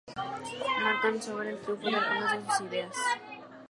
No alcanzó a ver el triunfo de algunas de sus ideas.